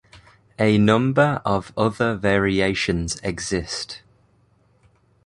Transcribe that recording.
A number of other variations exist.